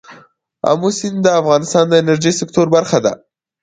آمو سیند د افغانستان د انرژۍ سکتور برخه ده.